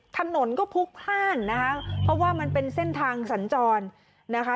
ถนนก็พลุกพลาดนะคะเพราะว่ามันเป็นเส้นทางสัญจรนะคะ